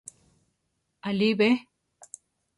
Aʼlí be?